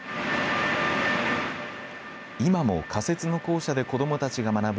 今も仮設の校舎で子どもたちが学ぶ